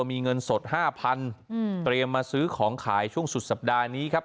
มีเงินสด๕๐๐๐เตรียมมาซื้อของขายช่วงสุดสัปดาห์นี้ครับ